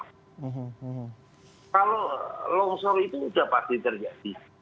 kalau longsor itu sudah pasti terjadi